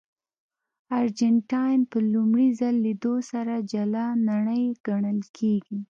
ارجنټاین په لومړي ځل لیدو سره جلا نړۍ ګڼل کېږي.